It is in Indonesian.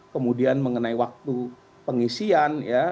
kemudian mengenai waktu pengisian